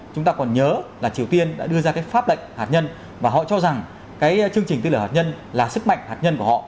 chúng ta còn nhớ là triều tiên đã đưa ra cái pháp lệnh hạt nhân và họ cho rằng cái chương trình tên lửa hạt nhân là sức mạnh hạt nhân của họ